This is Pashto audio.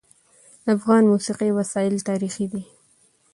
د افغان موسیقي وسایل تاریخي دي.